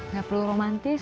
tidak perlu romantis